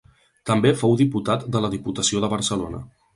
També fou diputat de la Diputació de Barcelona.